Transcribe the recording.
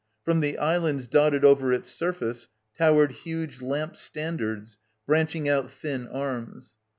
From the islands dotted over its surface towered huge lamp stan dards branching out thin arms.